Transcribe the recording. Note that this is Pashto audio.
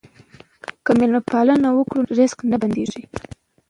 که مېلمه پالنه وکړو نو رزق نه بندیږي.